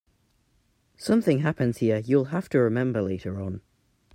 Something happens here you'll have to remember later on.